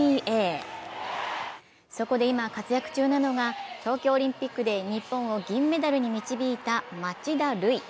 そこで今、活躍中なのが東京オリンピックで日本を銀メダルに導いた町田瑠唯。